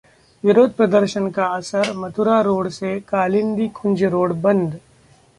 विरोध प्रदर्शन का असर, मथुरा रोड से कालिंदी कुंज रोड बंद